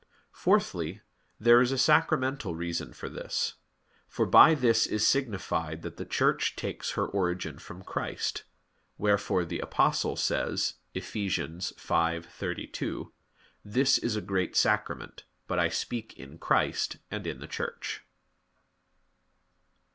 Fourthly, there is a sacramental reason for this. For by this is signified that the Church takes her origin from Christ. Wherefore the Apostle says (Eph. 5:32): "This is a great sacrament; but I speak in Christ and in the Church."